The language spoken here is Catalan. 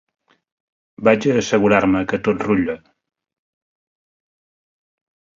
Vaig assegurar-me que tot rutllava